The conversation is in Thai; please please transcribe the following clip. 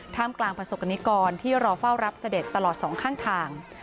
มกลางประสบกรณิกรที่รอเฝ้ารับเสด็จตลอดสองข้างทาง